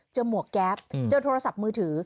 หมวกแก๊ปเจอโทรศัพท์มือถือ